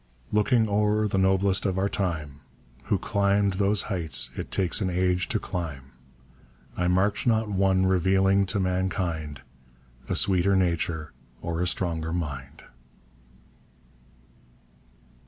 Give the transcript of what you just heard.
Looking o'er the noblest of our time, Who climbed those heights it takes an age to climb, I marked not one revealing to mankind A sweeter nature or a stronger mind.